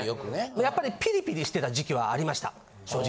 やっぱりピリピリしてた時期はありました正直。